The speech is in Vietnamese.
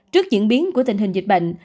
trước diễn biến của tình hình dịch bệnh